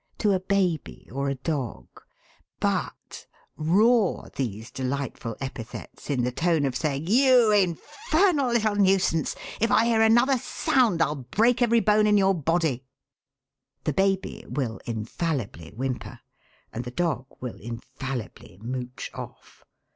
to a baby or a dog; but roar these delightful epithets in the tone of saying: 'You infernal little nuisance! If I hear another sound I'll break every bone in your body!' The baby will infallibly whimper, and the dog will infallibly mouch off.